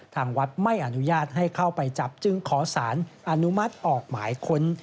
ทางวัดไม่อนุญาตให้เข้าไปจับจึงขอสารอนุมัติออกหมายค้น